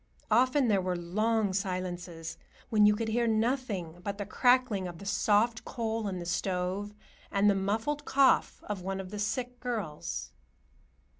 Often there were long silences, when you could hear nothing but the crackling of the soft coal in the stove and the muffled cough of one of the sick girls.